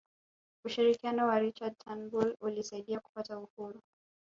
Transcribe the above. ushirikiano wa richard turnbull ulisaidia kupata uhuru